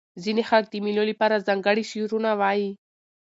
ځیني خلک د مېلو له پاره ځانګړي شعرونه وايي.